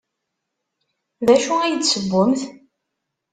D acu ay d-tessewwemt?